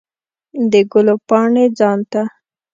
د ګلو پاڼې ځان ته